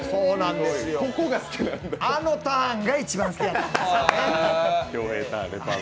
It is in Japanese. あのターンが一番好きなんです。